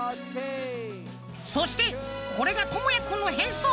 そしてこれがともやくんの変装。